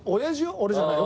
俺じゃないよ